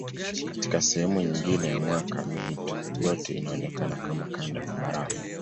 Katika sehemu nyingine ya mwaka mito yote inaonekana kama kanda la barafu.